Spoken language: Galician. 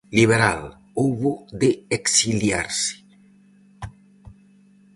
Liberal, houbo de exiliarse.